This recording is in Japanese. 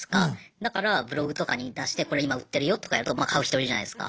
だからブログとかに出してこれ今売ってるよとかやるとまあ買う人いるじゃないすか。